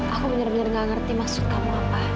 aku bener bener gak ngerti maksud kamu apa